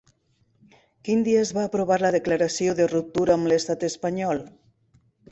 Quin dia es va aprovar la declaració de ruptura amb l'Estat espanyol?